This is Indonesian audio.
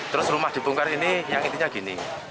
terus rumah dibongkar ini yang intinya gini